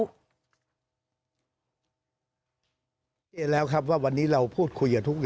พูดชัดเจนแล้วว่าวันนี้เราพูดคุยกับทุกอย่าง